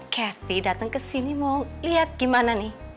cathy datang kesini mau liat gimana nih